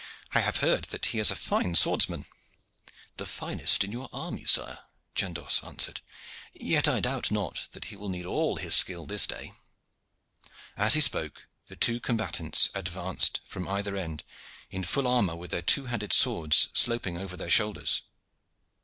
"I have heard that he is a fine swordsman." "The finest in your army, sire," Chandos answered. "Yet I doubt not that he will need all his skill this day." As he spoke, the two combatants advanced from either end in full armor with their two handed swords sloping over their shoulders.